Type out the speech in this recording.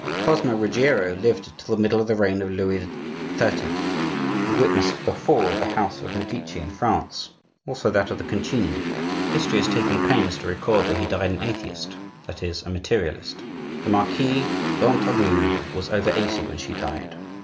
Cosmo Ruggiero lived till the middle of the reign of Louis XIII.; he witnessed the fall of the house of the Medici in France, also that of the Concini. History has taken pains to record that he died an atheist, that is, a materialist. The Marquise d'Entragues was over eighty when she died.